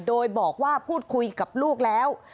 โดยบอกว่าพูดคุยกับลูกแล้ว